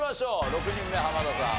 ６人目濱田さん